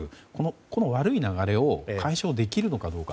この悪い流れを解消できるのかどうか。